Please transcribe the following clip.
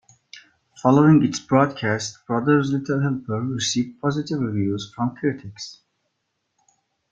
Following its broadcast, "Brother's Little Helper" received positive reviews from critics.